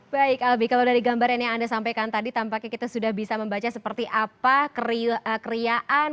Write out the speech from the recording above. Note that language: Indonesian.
baik albi kalau dari gambaran yang anda sampaikan tadi tampaknya kita sudah bisa membaca seperti apa kriaan